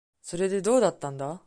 それで、どうだったんだ。